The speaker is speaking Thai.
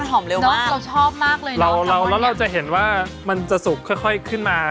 โหหอมเลยอะซามอนด์มันห่อมเร็วมาก